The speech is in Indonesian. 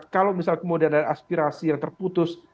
kalau misal kemudian ada aspirasi yang terputus